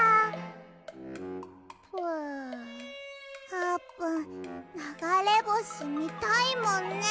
あーぷんながれぼしみたいもんね。